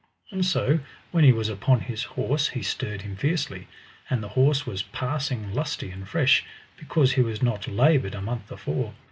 And so when he was upon his horse he stirred him fiercely, and the horse was passing lusty and fresh because he was not laboured a month afore.